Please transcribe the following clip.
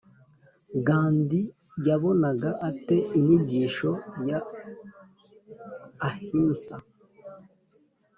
gandhi yabonaga ate inyigisho ya ahimsa?